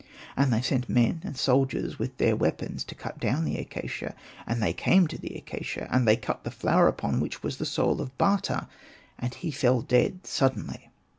And they sent men and soldiers with their weapons to cut down the acacia ; and they came to the acacia, and they cut the flower upon which was the soul of Bata, and he fell dead suddenly.